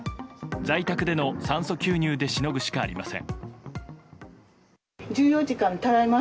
在宅での酸素吸入でしのぐしかありません。